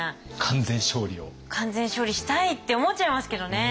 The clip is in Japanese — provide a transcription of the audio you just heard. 完全勝利を。って思っちゃいますけどね。